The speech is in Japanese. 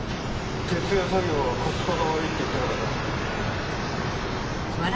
徹夜作業はコスパが悪いって言ってなかったか？